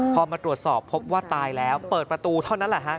พอมาตรวจสอบพบว่าตายแล้วเปิดประตูเท่านั้นแหละฮะ